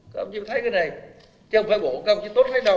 các ông chứ thấy cái này chứ không phải bộ các ông chứ tốt thấy đâu